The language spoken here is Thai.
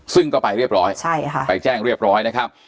ซึ่งก็ไปเรียบร้อยใช่ค่ะไปแจ้งเรียบร้อยนะครับ